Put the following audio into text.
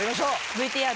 ＶＴＲ。